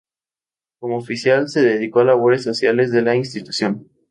Como oficial se dedicó a labores sociales de la institución.